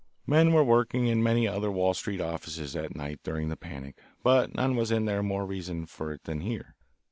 Men were working in many other Wall Street offices that night during the panic, but in none was there more reason for it than here.